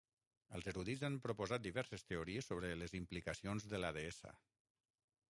Els erudits han proposat diverses teories sobre les implicacions de la deessa.